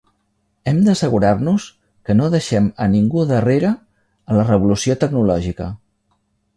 Hem d'assegurar-nos que no deixem a ningú darrere a la revolució tecnològica.